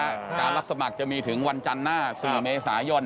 การรับสมัครจะมีถึงวันจันทร์หน้า๔เมษายน